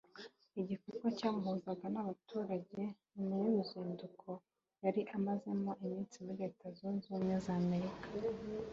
mu gikorwa cyamuhuzaga n’abaturage nyuma y’uruzinduko yari amazemo iminsi muri Leta Zunze Ubumwe z’Amerika